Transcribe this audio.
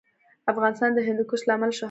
افغانستان د هندوکش له امله شهرت لري.